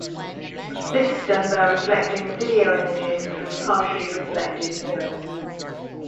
This is done by reflecting the video images through partially reflective mirrors.